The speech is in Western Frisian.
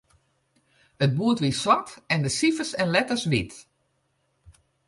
It boerd wie swart en de sifers en letters wyt.